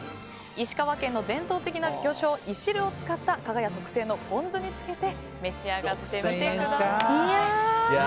石川県の伝統的な魚醤いしるを使った加賀屋特製のポン酢につけて召し上がってみてください。